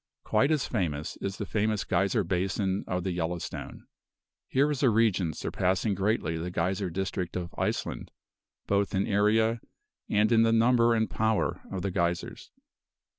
Quite as famous is the famous geyser basin of the Yellowstone. Here is a region surpassing greatly the geyser district of Iceland, both in area, and in the number and power of the geysers.